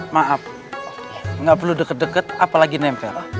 maaf nggak perlu deket deket apalagi nempel